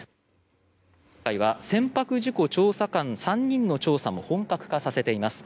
今回は先発事故調査官の３人の調査も本格化させています。